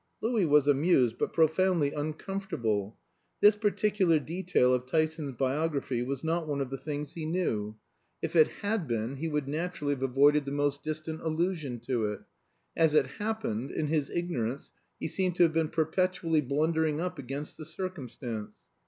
Louis was amused, but profoundly uncomfortable. This particular detail of Tyson's biography was not one of the things he knew; if it had been, he would naturally have avoided the most distant allusion to it. As it happened, in his ignorance he seemed to have been perpetually blundering up against the circumstance.